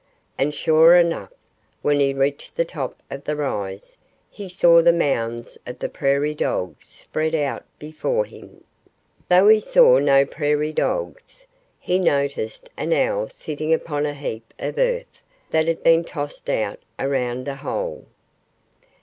And sure enough! when he reached the top of the rise he saw the mounds of the prairie dogs spread out before him. Though he saw no prairie dogs, he noticed an owl sitting upon a heap of earth that had been tossed out around a hole.